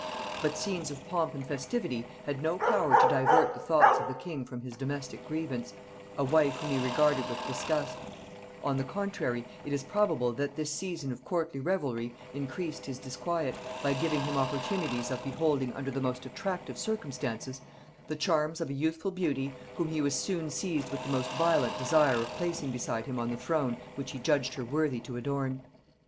But scenes of pomp and festivity had no power to divert the thoughts of the king from his domestic grievance, a wife whom he regarded with disgust: on the contrary, it is probable that this season of courtly revelry encreased his disquiet, by giving him opportunities of beholding under the most attractive circumstances the charms of a youthful beauty whom he was soon seized with the most violent desire of placing beside him on the throne which he judged her worthy to adorn.